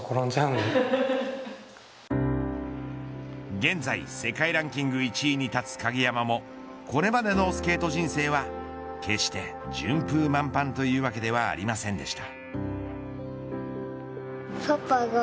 現在世界ランキング１位に立つ鍵山もこれまでのスケート人生は決して順風満帆というわけではありませんでした。